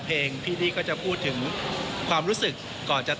เป็นนิทัศกาลฟิมือและตูขาย